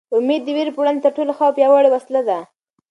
امېد د وېرې په وړاندې تر ټولو ښه او پیاوړې وسله ده.